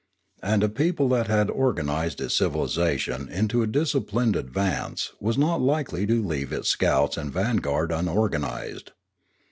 And a people that had organised its civilisation into a disciplined advance was not likely to leave its scouts and vanguard unorganised.